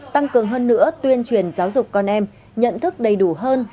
tăng cường hơn nữa tuyên truyền giáo dục con em nhận thức đầy đủ hơn